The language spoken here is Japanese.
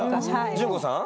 淳子さん？